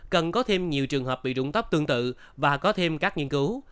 cần có thêm nhiều trường hợp bị rụng tóc tương tự và có thêm các nghiên cứu